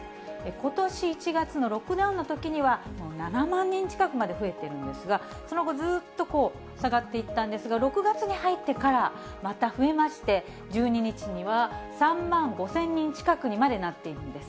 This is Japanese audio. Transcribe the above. ことし１月のロックダウンのときには、７万人近くまで増えているんですが、その後、ずっと下がっていったんですが、６月に入ってからまた増えまして、１２日には３万５０００人近くにまでなっているんです。